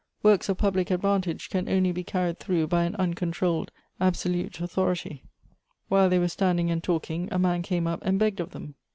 Works of public advantage can only be carried through by an uncontrolled absolute authority." " While they were standing and talking, a man came up and begged of them.